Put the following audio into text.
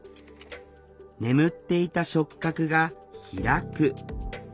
「眠っていた触覚がひらく」。